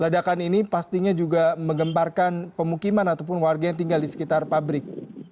ledakan ini pastinya juga menggemparkan pemukiman ataupun warga yang tinggal di sekitar pabrik